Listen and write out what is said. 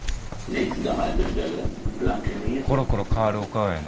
ころころ変わるお顔やね。